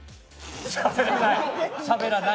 しゃべらない。